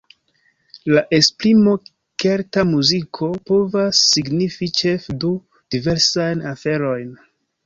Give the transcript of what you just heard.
La esprimo "Kelta muziko" povas signifi ĉefe du diversajn aferojn.